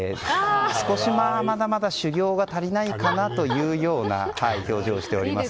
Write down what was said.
まだまだ修行が足りないかなというような表情をしております。